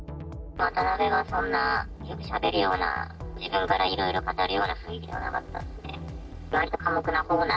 渡辺はそんなよくしゃべるような、自分からいろいろ語るような雰囲気じゃなかったんで。